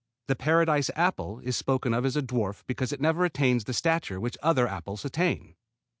The Paradise apple is spoken of as a dwarf because it never attains the stature which other apples attain.